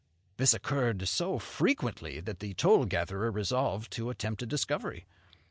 This occurred so frequently that the toll gatherer resolved to attempt a discovery.